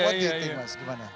apa pendapat anda mas gimana